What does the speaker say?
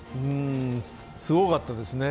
すごかったですね。